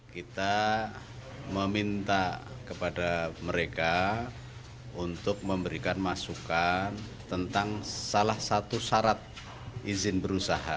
kita meminta kepada mereka untuk memberikan masukan tentang salah satu syarat izin berusaha